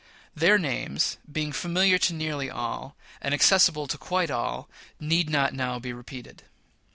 Their names, being familiar to nearly all, and accessible to quite all, need not now be repeated.